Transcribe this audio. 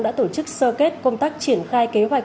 đã tổ chức sơ kết công tác triển khai kế hoạch